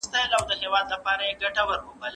د مطالعې فرهنګ په ټولنه کي د خلګو ذوقونه پياوړي کوي.